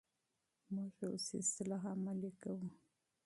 موږ اوس اصلاح عملي کوو.